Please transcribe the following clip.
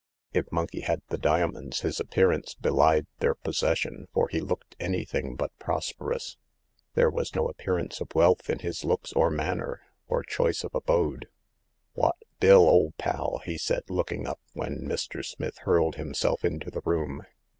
If Monkey had the diamonds, his appearance belied their possession, for he looked anything but prosperous. There was no appearance of wealth in his looks or manner or choice of abode. Wot, Bill, ole pal !" he said, looking up when Mr. Smith hurled himself into the room.